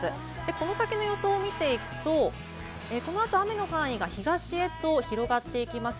この先の予想を見ていくと、このあと雨の範囲が東へと広がっていきます。